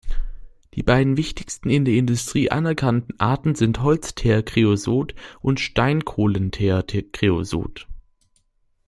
Die beiden wichtigsten in der Industrie anerkannten Arten sind "Holzteerkreosot" und "Steinkohlenteerkreosot".